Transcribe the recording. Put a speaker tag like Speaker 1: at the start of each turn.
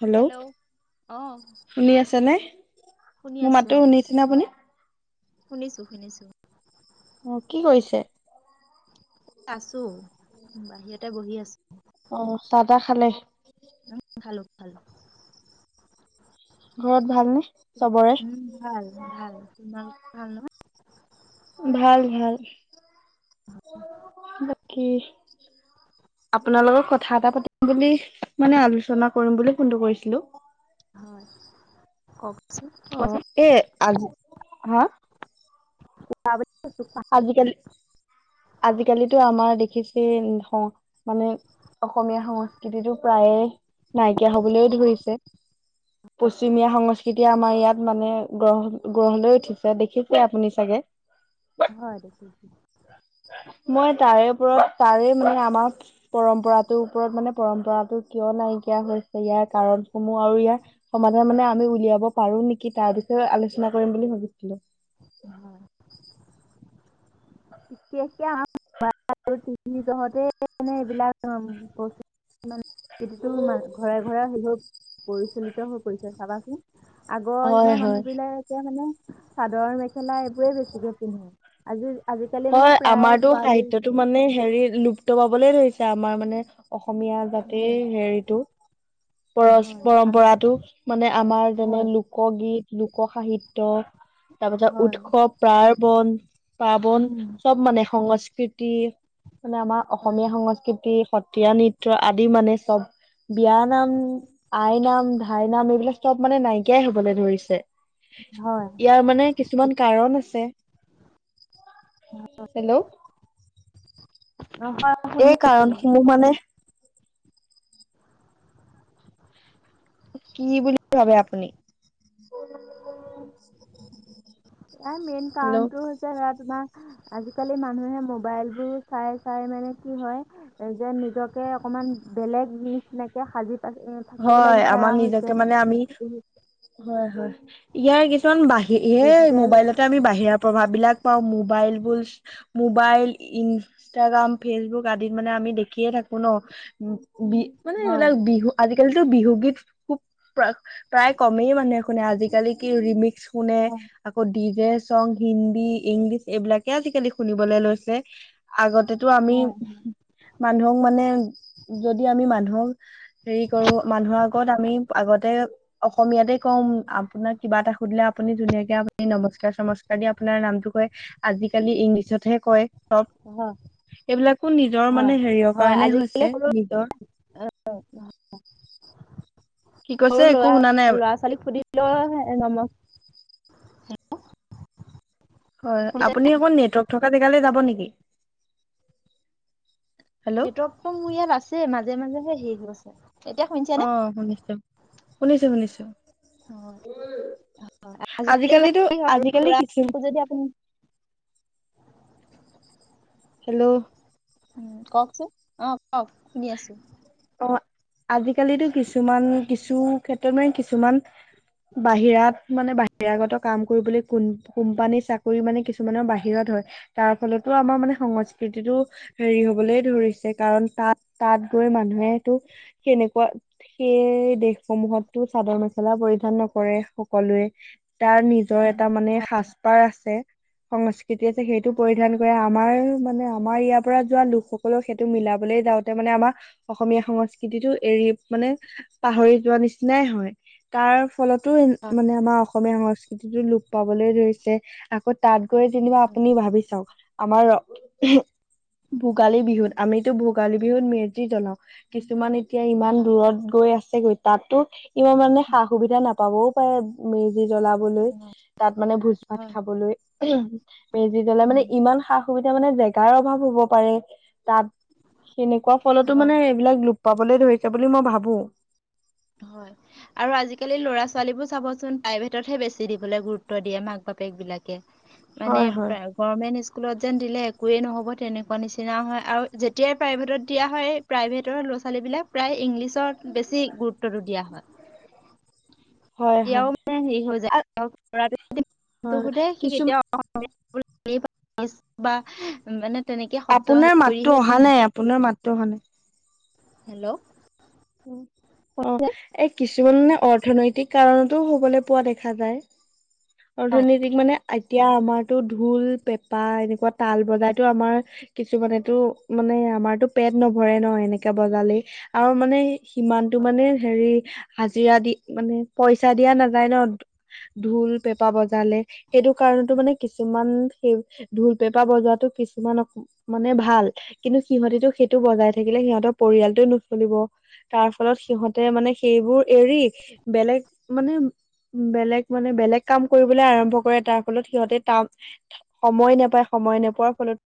Speaker 1: Hello
Speaker 2: অ
Speaker 1: শুনি আছে নে।
Speaker 2: শুনি
Speaker 1: মোৰ
Speaker 2: আছো
Speaker 1: মাতো
Speaker 2: অ
Speaker 1: শুনিছেনে আপুনি।
Speaker 2: শুনিছো শুনিছো।
Speaker 1: অ কি কৰিছে।
Speaker 2: আছো বাহিৰতে বহি আছো।
Speaker 1: অ চাহ তাহ খালে
Speaker 2: খালো খালো।
Speaker 1: ঘৰত ভালনে চবৰে?
Speaker 2: উম ভাল ভাল তোমাল ভাল নহয়।
Speaker 1: ভাল ভাল বাকী। আপোনাৰ লগত কথা এটা পাতিম বুলি মানে আলোচনা কৰিম বুলি ফোনটো কৰিছিলো।
Speaker 2: হয় কক।
Speaker 1: অ এ আজি হা
Speaker 2: [unintelligible]
Speaker 1: আজিকালি। আজিকালিতো আমাৰ দেখিছে মানে অসমীয়া সংস্কৃতিটো প্ৰায়ে। নাইকিয়া হবলৈও ধৰিছে। পশ্চিমীয়া সংস্কৃতিয়ে আমাৰ ইয়াত মানে গ্ৰ গঢ় লৈ উঠিছে দেখিছে আপুনি চাগে। [unintelligible]
Speaker 2: হয় দেখিছো।
Speaker 1: মই তাৰে ওপৰত তাৰে মানে আমাৰ পৰম্পৰাটোৰ ওপৰত মানে পৰম্পৰাতটো কিয়। নাইকিয়া হৈছে ইয়াৰ কাৰণসমূহ আৰু ইয়াৰ সমাধান মানে আমি উলিয়াব পাৰো নেকি তাৰপিছত। আলোচনা কৰিম বুলি ভাবিছিলোঁ?
Speaker 2: হয় [unintelligible] মানে টিভিতো ঘৰে ঘৰে আ হৈ পৰিচলিত হৈ পৰিছে চাবাচোন। আগৰ
Speaker 1: হয়
Speaker 2: দিনৰ মানুহ
Speaker 1: হয়।
Speaker 2: বিলাকে মানে। চাদৰ মেখেলা এইবোৰে বেছিকে পিন্ধে আজি। আজিকালি মানে
Speaker 1: হয়
Speaker 2: প্ৰায়
Speaker 1: আমাৰতো
Speaker 2: ছোৱালী
Speaker 1: সাহিত্যয়তো মানে হেৰি লুপ্ত পাবলে ধৰিছে আমাৰ মানে। অসমীয়া
Speaker 2: হয়
Speaker 1: জাটিৰ হেৰিটো। পৰছ
Speaker 2: হয় শান্তি
Speaker 1: পৰম্পৰাতটো মানে আমাৰ যেনে
Speaker 2: হয়
Speaker 1: লোকগীত। লোকসাহিত্য তাৰপিছত
Speaker 2: হয়
Speaker 1: উৎসৱ প্ৰাৰ্বণ পাৰ্বন।
Speaker 2: উম
Speaker 1: চব মানে সংস্কৃতি মানে আমাৰ
Speaker 2: হয়
Speaker 1: অসমীয়া সংস্কৃতি সত। তীয়া নৃত্য আদি মানে চব। বিয়া নাম আই নাম ধাই নাম এইবিলাক চব মানে নাইকিয়াই হ'বলে ধৰিছে।
Speaker 2: হয়
Speaker 1: ইয়াৰ মানে কিছুমান কাৰণ আছে। হেল্ল'।
Speaker 2: অ হয় শুনি
Speaker 1: এই
Speaker 2: আছো
Speaker 1: কাৰণসমূহ মানে। কি বুলি ভাবে আপুনি?
Speaker 2: এ মেন
Speaker 1: হেল্ল'
Speaker 2: কাৰণটো হৈছে সেয়া তোমাৰ। আজিকালি মানুহে মোবাইল বোৰ চাই চাই মানে কি হয় যে নিজকে অক। মান বেলেগ নিচিনাকে সাজি। পাচি থাকিবলৈ
Speaker 1: হয়
Speaker 2: বিচৰা
Speaker 1: আমাৰ
Speaker 2: হৈছে
Speaker 1: নিজকে মানে আমি হয় হয় ইয়াৰ। কিছমান বাহি সে
Speaker 2: ডিজিটেল
Speaker 1: মোবাইলতে আমি বাহিৰা প্ৰভাৱবিলাক। পাওঁ মবাইল মোবাইল ইনষ্টাগ্ৰাম ফেচবুক আদিত মানে আমি দেখিয়ে থাকোঁ। শুনক বি মানে
Speaker 2: হয়
Speaker 1: এইবিলাক
Speaker 2: হয়
Speaker 1: বিহু আজিকালিতো বিহুগীত খুব প্ৰাক। প্ৰায় কমেই মানুহে শুনে আজিকালি কি ৰিমিক্স শুনে
Speaker 2: হয়
Speaker 1: আকৌ D J song, Hindi, English এইবিলাকে আজিকালি শুনিবলৈ লৈছে, আগ ততো আমি
Speaker 2: হয়
Speaker 1: মানুহক মানে যদি আমি মানুহক হেৰি কৰো মানুহৰ আগত আমি আগতে অসমীয়াতে কম আপোনাক কিবা এটা সুধিলে আপু আপুনি ধুনীয়াকে আপুনি নমস্কাৰ- চমস্কাৰ দি আপোনাৰ নামটো কয় আজিকালি ইংলিছতহে কয়। চব,
Speaker 2: হয়
Speaker 1: এইবিলাকো নিজৰ
Speaker 2: হয়
Speaker 1: মানে হেৰিয়ৰ
Speaker 2: হয়
Speaker 1: কাৰণে
Speaker 2: আজিকালি
Speaker 1: হৈছে
Speaker 2: সৰু
Speaker 1: নিজৰ [unintelligible] কি কৈছে
Speaker 2: সৰু
Speaker 1: একো
Speaker 2: লৰা
Speaker 1: শুনা নাই
Speaker 2: ল'ৰা ছোৱালীক সুধিলেও নমক হেল্ল'
Speaker 1: হয় আপুনি অকন নেটৱৰ্ক থকা জেগালে যাব নেকি? হেল্ল'
Speaker 2: নেটৱৰ্কটো মোৰ ইয়াত আছে মাজে মাজেহে সেই হৈছে। এতিয়া
Speaker 1: অ
Speaker 2: শুনিছেনে
Speaker 1: শুনিছোঁ শুনিছোঁ শুনিছোঁ।
Speaker 2: অ আজিকালি
Speaker 1: আজিকালিটো
Speaker 2: মানে সৰু
Speaker 1: আজিকালি কিছু
Speaker 2: ল'ৰাকো যদি আপুনি
Speaker 1: হেল্ল'
Speaker 2: উ কওঁকচোন অ কওক শুনি আছোঁ।
Speaker 1: অ আজিকালিতো কিছুমান কিছু ক্ষেত্ৰত মানে কিছুমান বাহিৰাত। মানে বাহিৰাগত কাম কৰিবলৈ কো কোম্পানী চাকৰি মানে কিছুমানৰ বাহিৰত হয় তাৰ ফলত। টো আমাৰ মানে সংস্কৃতিতটো হেৰি হ'বলে ধৰিছে কাৰণ তাত তাত গৈ মানুহেটো সেনেকুৱা সেই দেশসমূহতটো চাদৰ মেখেলা পৰি সিধান নকৰে সকলোৱে তাৰ নিজৰ এটা মানে সাজ পাৰ আছে। সংস্কৃতি আছে সেইটো পৰিধান কৰে আমাৰ মানে আমাৰ ইয়াৰ পৰা যোৱা লোকসকলক সেইটো মিলাবলে যাওঁতে। মানে আমাৰ অসমীয়া সংস্কৃতিটো এৰি মানে পাহৰি যোৱা নিচিনাই হয়। তাৰ ফলতো
Speaker 2: হয়,
Speaker 1: মানে আমাৰ অসমীয়া সংস্কৃতিটো লোপ পাবলৈ ধৰিছে আগত- তাত গৈ যেনিবা আপুনি ভাবি চাওঁক। আমাৰ ৰ ভোগালী বিহুত আমিতো ভোগালী বি বিহুত মেজি জ্বলাও, কিছুমান এতিয়া ইমান দূৰত গৈ আ আছে গৈ তাতো ইমান মানে সা- সুবিধা নাপাবও পাৰে মে জি জ্বলাবলৈ, তাত মানে ভোজ ভাত
Speaker 2: হয়।
Speaker 1: খাবলৈ উহুম মেজি জ্বলাই মানে
Speaker 2: উম।
Speaker 1: ইমান সা- সুবিধা মানে জেগাৰ অভাৱ হ'ব পাৰে, তাত সেনেকুৱা ফলতো
Speaker 2: হয়,
Speaker 1: মানে এইবিলাক লোপ পাবলৈ ধৰিছে বুলি মই ভাবো।
Speaker 2: হয় আৰু আজিকালি ল'ৰা ছোৱালীবোৰ চাবচোন প্ৰাইভেটতহে বেছি দিবলৈ গুৰুত্ব দিয়ে মাক বা বাপেক বিলাকে মানে
Speaker 1: হয় হয়
Speaker 2: প্ৰাই গভমেন্ট স্কুলত যেন দিলে একোৱে নহ' ব তেনেকুৱা নিচিনাও হয় আৰু যেতিয়াই প্ৰাইভেটত দিয়া হয় প্ৰাইভেটৰ ল'ৰা- ছোৱালীবিলাক প্ৰায় ইংলিছত বেছি গুৰুত্বটো দিয়া হয়।
Speaker 1: হয়
Speaker 2: এয়াও
Speaker 1: হয়
Speaker 2: মানে হেৰি হৈ যায় লৰাটো যদি নামটো সুধে সি
Speaker 1: কিছুমান
Speaker 2: কেতিয়াও অসমীয়াত [inaudible] বা মানে তেনেকে শব্দ হেৰি
Speaker 1: আপোনাৰ মাততো
Speaker 2: কৰিহে
Speaker 1: অহা নাই আপোনাৰ মাতো অহা নাই?
Speaker 2: হেল্ল'!
Speaker 1: উম অ এ কিছ জীৱন মানে অৰ্থনৈতিক কাৰণতো হবলৈ পোৱা দেখা যায়।
Speaker 2: হয়
Speaker 1: অৰ্থনীতিক মানে এতিয়া আমাৰতো ঢোল, পেঁপা এনেকুৱা তাল বজাইতো আমাৰ কিছুমানেটো মানে আমাৰতো পেট নভৰে ন এনেকাে বজালেই আৰু মানে সিমানটো মানে হেৰি হাজিৰা দি মানে পইচা দিয়া নাযায় ন ঢোল, পেঁপা বজালে সেইটো কাৰণতো মানে কিছুমান সেই ঢোল, পেঁপা বজাতো কিছুমান মানে ভাল কিন্তু সিহঁতেটো সেইটো বজাই থাকিলে সিহঁতৰ পৰিয়ালটোৱে নুচলিব। তাৰ ফলত সিহঁতে মানে সেইবোৰ এৰি বেলেগ মানে বেলেগ মানে বেলেগ কাম কৰিবলৈ আৰম্ভ কৰে তাৰ ফলত সিহঁতে তাম সময় নাপায় স ময় নোপোৱাৰ ফলত